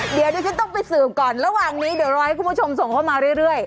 เดี๋ยวดิฉันต้องไปสืบก่อนระหว่างนี้เดี๋ยวรอให้คุณผู้ชมส่งเข้ามาเรื่อย